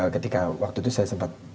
ketika waktu itu saya sempat